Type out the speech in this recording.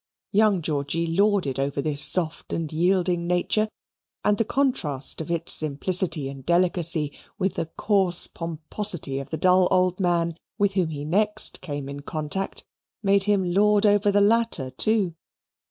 Young Georgy lorded over this soft and yielding nature; and the contrast of its simplicity and delicacy with the coarse pomposity of the dull old man with whom he next came in contact made him lord over the latter too.